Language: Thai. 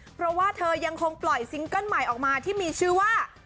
เพราะว่าเธอยังคงปล่อยซิงเกิ้ลใหม่ออกมาที่มีชื่อว่า